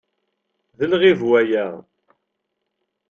D lɣib waya.